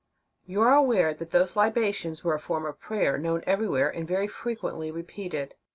"[j; You are aware that those libations were a form of prayer, known everywhere and very frequently repeated.